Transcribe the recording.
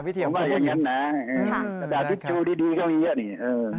แต่วิธีการดูดีก็ว่าอย่างนี้